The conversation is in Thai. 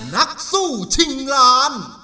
นักสู้ชิงล้าน